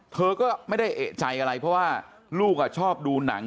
เธอก็ไม่ได้เอกใจอะไรเพราะว่าลูกชอบดูหนัง